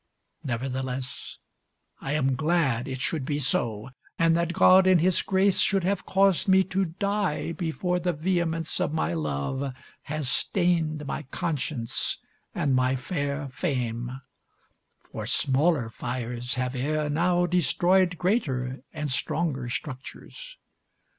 "Nevertheless, I am glad it should be so, and that God in His grace should have caused me to die before the vehemence of my love has stained my conscience and my fair fame; for smaller fires have ere now destroyed greater and stronger structures.